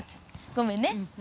ごめんね。